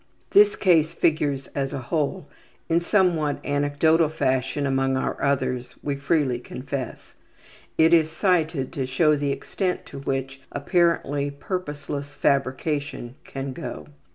This case figures, as a whole, in somewhat anecdotal fashion among our others, we freely confess; it is cited to show the extent to which apparently purposeless fabrication can go.